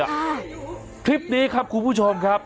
อ่าคลิปนี้ครับคุณผู้ชมครับ